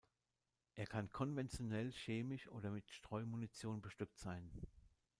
Er kann konventionell, chemisch oder mit Streumunition bestückt sein.